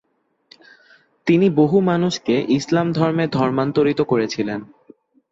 তিনি বহু মানুষকে ইসলাম ধর্মে ধর্মান্তরিত করেছিলেন।